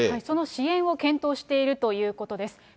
その支援を検討しているということです。